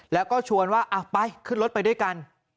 แล้วก็ชวนว่าไปขึ้นรถไปด้วยกัน